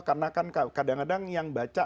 karena kan kadang kadang yang baca